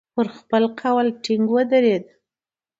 پر خپل قول ټینګ ودرېد.